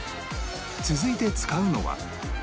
続いて使うのは